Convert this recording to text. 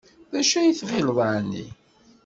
D acu ay tɣileḍ ɛni?